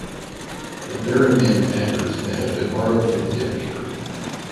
The Fering name Anders may have been borrowed from the Danish version.